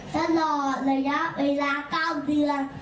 ตลอดระยะเวลา๙เดือน